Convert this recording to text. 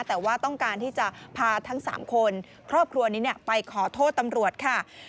แต่ว่าต้องการที่จะพาทั้ง๓คนครอบครัวนี้ไปขอโทษตำรวจค่ะ